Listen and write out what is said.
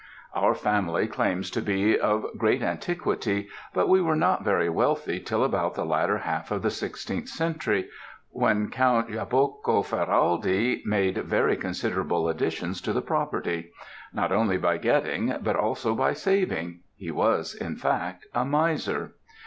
"Our family claims to be of great antiquity, but we were not very wealthy till about the latter half of the 16th century, when Count Jacopo Ferraldi made very considerable additions to the property; not only by getting, but also by saving he was in fact a miser.